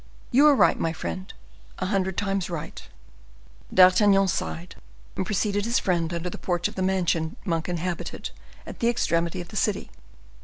You are right, my friend, a hundred times right." D'Artagnan sighed, and preceded his friend under the porch of he mansion Monk inhabited, at the extremity of the city.